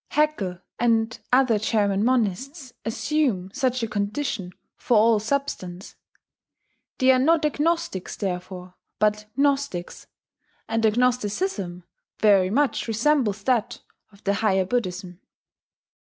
Haeckel and other German monists assume such a condition for all substance. They are not agnostics, therefore, but gnostics; and their gnosticism very much resembles that of the higher Buddhism.